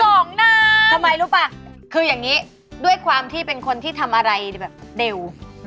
ทำไมรู้ป่ะคืออย่างนี้ด้วยความที่เป็นคนที่ทำอะไรแบบเร็ว